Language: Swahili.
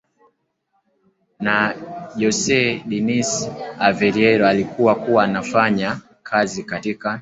Na Jose Dinis Aveiro aliye kuwa anafanya kazi katika